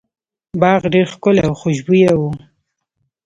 باغ ډیر ښکلی او خوشبويه و.